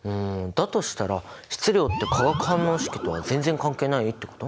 だとしたら質量って化学反応式とは全然関係ないってこと？